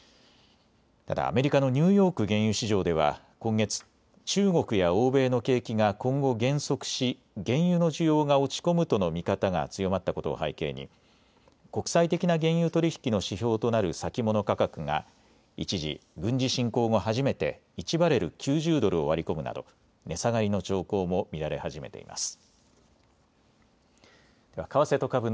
ただ、アメリカのニューヨーク原油市場では今月中国や欧米の景気が今後、減速し原油の需要が落ち込むとの見方が強まったことを背景に国際的な原油取引の指標となる先物価格が一時、軍事侵攻後、初めて１バレル９０ドルを割り込むなど値下がりの兆候も見られ始めています。